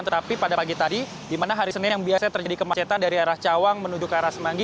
tetapi pada pagi tadi di mana hari senin yang biasanya terjadi kemacetan dari arah cawang menuju ke arah semanggi